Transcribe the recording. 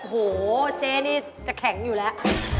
โอ้โหเจ๊นี่จะแข็งอยู่แล้ว